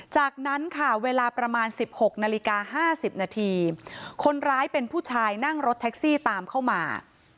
จากนั้นค่ะเวลาประมาณ๑๖นาฬิกา๕๐นาทีคนร้ายเป็นผู้ชายนั่งรถแท็กซี่ตามเข้ามา